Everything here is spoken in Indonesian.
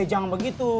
eh jangan begitu